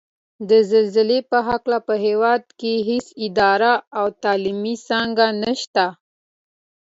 د زلزلې په هکله په هېواد کې هېڅ اداره او تعلیمي څانګه نشته ده